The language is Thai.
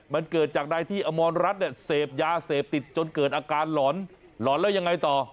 มันเกิดจากนายที่อมรรัฐเนี่ยเสพยาเสพติดจนเกิดอาการหลอนหลอนแล้วยังไงต่อ